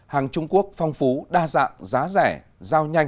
hàng trung quốc phong phú đa dạng giá rẻ giao nhanh